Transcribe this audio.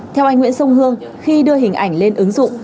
theo anh nguyễn sông hương khi đưa hình ảnh lên ứng dụng